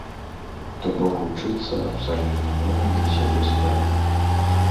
То бок вучыцца абсалютна новай для сябе справе.